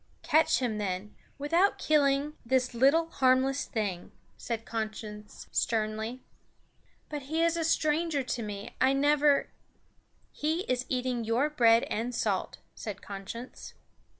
"Catch him then, without killing this little harmless thing," said Conscience sternly. "But he is a stranger to me; I never " "He is eating your bread and salt," said Conscience.